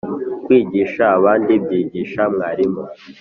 kwigisha abandi byigisha mwarimu